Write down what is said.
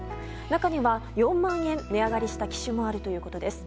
中には４万円値上がりした機種もあるということです。